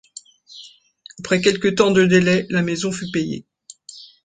Après quelque temps de délai, la maison fut payée.